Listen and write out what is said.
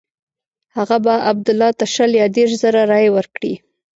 هغه به عبدالله ته شل یا دېرش زره رایې ورکړي.